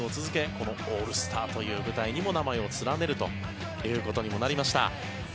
このオールスターという舞台にも名前を連ねるということにもなりました。